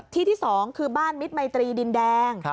ที่ที่๒คือบ้านมิตรมัยตรีดินแดง